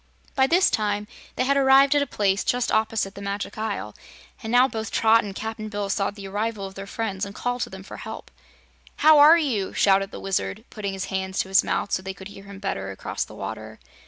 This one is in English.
By this time they had arrived at a place just opposite the Magic Isle, and now both Trot and Cap'n Bill saw the arrival of their friends and called to them for help. "How are you?" shouted the Wizard, putting his hands to his mouth so they could hear him better across the water.